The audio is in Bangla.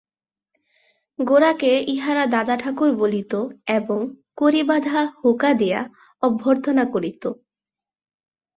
গোরাকে ইহারা দাদাঠাকুর বলিত এবং কড়িবাঁধা হুঁকা দিয়া অভ্যর্থনা করিত।